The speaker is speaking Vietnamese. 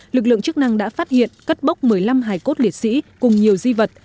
lực lượng chức năng đã phát hiện cất bốc một mươi năm hải cốt liệt sĩ cùng nhiều di vật